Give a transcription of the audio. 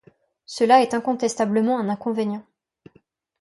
Cela est incontestablement un inconvénient.